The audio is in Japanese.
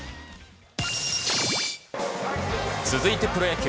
続いてプロ野球。